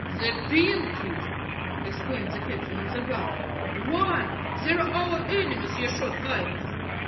"The Pinkies!" exclaimed the Captain of the Guards; "why, they're our enemies, your Short Highness."